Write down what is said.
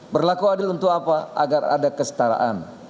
berlaku adil untuk apa agar ada kestaraan